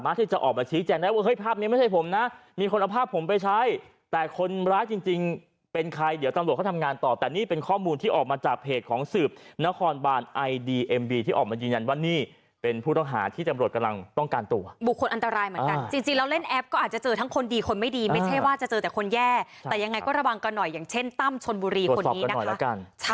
บีเอ็มบีที่ออกมายืนยันว่านี่เป็นผู้ต้องหาที่จำรวจกำลังต้องการตัวบุคคลอันตรายเหมือนกันจริงแล้วเล่นแอปก็อาจจะเจอทั้งคนดีคนไม่ดีไม่ใช่ว่าจะเจอแต่คนแย่แต่ยังไงก็ระวังกันหน่อยอย่างเช่นตั้มชนบุรีคนนี้นะคะ